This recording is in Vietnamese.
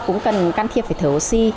cũng cần can thiệp phải thử oxy